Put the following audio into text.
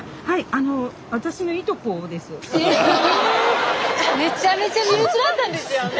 あのスタジオめちゃめちゃ身内だったんですよね。